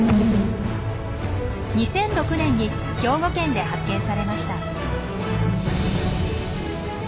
２００６年に兵庫県で発見されました。